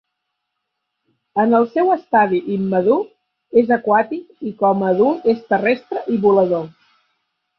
En el seu estadi immadur és aquàtic i com a adult és terrestre i volador.